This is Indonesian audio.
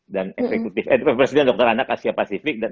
dan presiden dokter anak asia pasifik dan